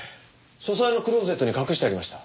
書斎のクローゼットに隠してありました。